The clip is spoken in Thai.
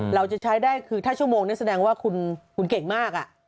เราจะใช้ได้คือถ้าชั่วโมงนี้แสดงว่าคุณเก่งมาก